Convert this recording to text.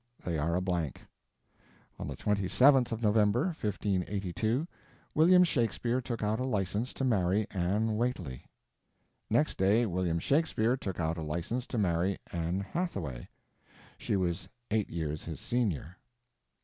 They are a blank. On the 27th of November (1582) William Shakespeare took out a license to marry Anne Whateley. Next day William Shakespeare took out a license to marry Anne Hathaway. She was eight years his senior.